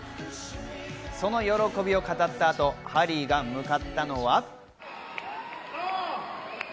その喜びを語った後、ハリーが向かったのは。